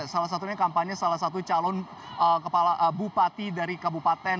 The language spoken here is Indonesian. salah satunya kampanye salah satu calon bupati dari kabupaten